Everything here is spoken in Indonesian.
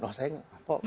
wah saya apa